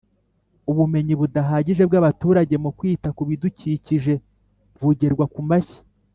Ubumenyi budahagije bw’abaturage mu kwita kubidukikije bugerwa ku mashyi